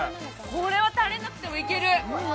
これはタレなくてもいける！